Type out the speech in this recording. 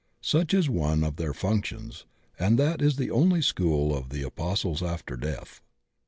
Such is one of Aeir functions, and that is the only school of the AposUes after death.